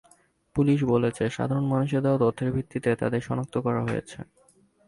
Police বলেছে, সাধারণ মানুষের দেওয়া তথ্যের ভিত্তিতে তাঁদের শনাক্ত করা হয়েছে।